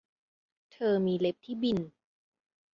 เธอมีเล็บที่บิ่น